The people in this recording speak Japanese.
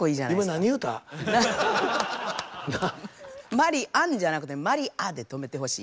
「マリアン」じゃなくて「マリア」で止めてほしい。